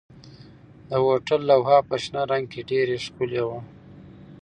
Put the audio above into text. د هوټل لوحه په شنه رنګ کې ډېره ښکلې وه.